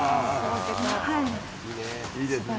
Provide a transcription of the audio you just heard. いいですね。